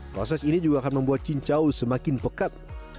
proses ini juga akan membuat cincau semakin pekat